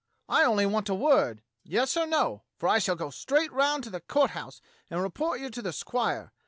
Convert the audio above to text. I only want a word, Yes or No, for I shall go straight round to the Court House and report you to the squire.